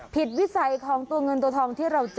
วิสัยของตัวเงินตัวทองที่เราเจอ